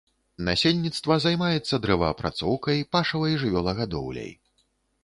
Насельніцтва займаецца дрэваапрацоўкай, пашавай жывёлагадоўляй.